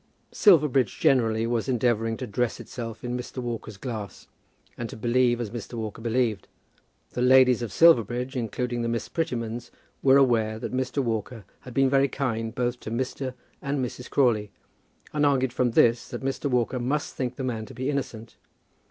Silverbridge, generally, was endeavouring to dress itself in Mr. Walker's glass, and to believe as Mr. Walker believed. The ladies of Silverbridge, including the Miss Prettymans, were aware that Mr. Walker had been very kind both to Mr. and Mrs. Crawley, and argued from this that Mr. Walker must think the man to be innocent.